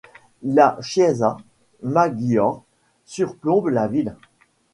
La chiesa maggiore surplombe la ville.